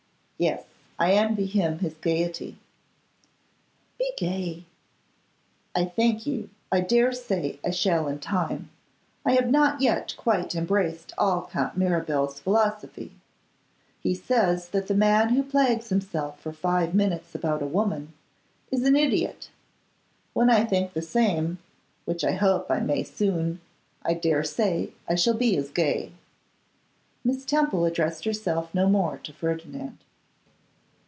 'Yes; I envy him his gaiety.' 'Be gay.' 'I thank you; I dare say I shall in time. I have not yet quite embraced all Count Mirabel's philosophy. He says that the man who plagues himself for five minutes about a woman is an idiot. When I think the same, which I hope I may soon, I dare say I shall be as gay.' Miss Temple addressed herself no more to Ferdinand.